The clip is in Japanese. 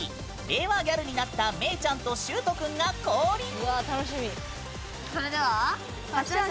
令和ギャルになっためいちゃんと、しゅーとくんが降臨！